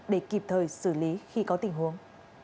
để kịp thời xử lý khi có tình huống